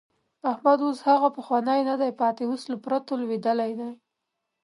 احمد اوس هغه پخوانی نه دی پاتې، اوس له پرتو لوېدلی دی.